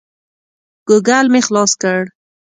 ګوګل مې خلاص کړ.